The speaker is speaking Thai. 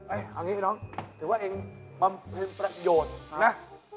เอาอย่างนี้น้องจะว่าเองปัญญาประโยชน์นะ